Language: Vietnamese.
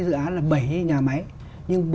dự án là bảy nhà máy nhưng